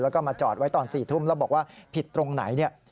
แล้วก็มาจอดไว้ตอน๔ทุ่มแล้วบอกว่าผิดตรงไหนเนี่ย